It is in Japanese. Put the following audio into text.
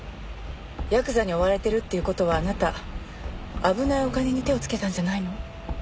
ヤクザに追われてるっていう事はあなた危ないお金に手をつけたんじゃないの？